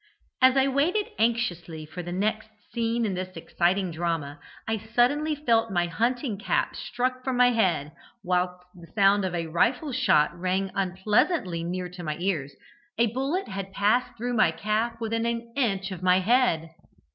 As I waited anxiously for the next scene in this exciting drama, I suddenly felt my hunting cap struck from my head, whilst the sound of a rifle shot rang unpleasantly near to my ears: a bullet had passed through my cap within an inch of my head!